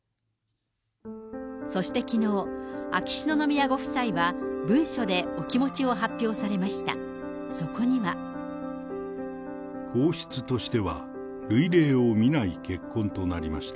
そしてきのう、秋篠宮ご夫妻は、文書でお気持ちを発表されました。